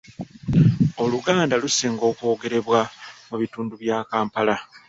Oluganda lusinga kwogerebwa mu bitundu bya Kampala.